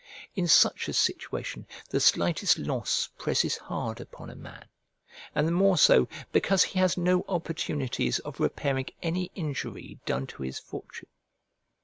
In such a situation, the slightest loss presses hard upon a man, and the more so because he has no opportunities of repairing any injury done to his fortune.